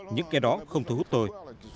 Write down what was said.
những cái đó không thu hút tôi